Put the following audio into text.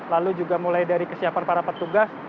lalu juga mulai dari kesiapan para petugas